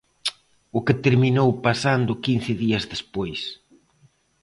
O que terminou pasando quince días despois.